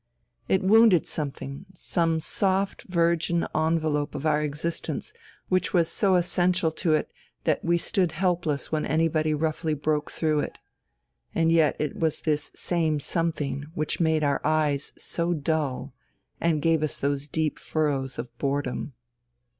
It wounded something, some soft, virgin envelope of our existence which was so essential to it that we stood helpless when anybody roughly broke through it. And yet it was this same something which made our eyes so dull, and gave us those deep furrows of boredom....